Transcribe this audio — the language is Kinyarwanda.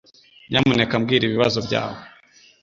Nyamuneka mbwira ibibazo byawe.